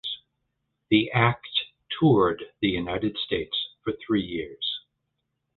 The act toured the United States for three years.